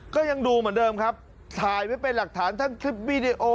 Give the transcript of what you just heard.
ก็ยังดูเหมือนเดิมครับถ่ายไว้เป็นหลักฐานทั้งคลิปวีดีโอ